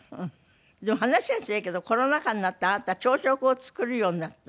でも話は違うけどコロナ禍になってあなた朝食を作るようになった。